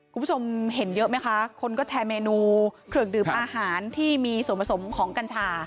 คุณผู้ชมเห็นเยอะไหมคะคนก็แชร์เมนูเครื่องดื่มอาหารที่มีส่วนผสมของกัญชา